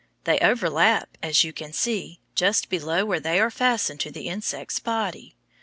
They overlap, as you can see, just below where they are fastened to the insect's body.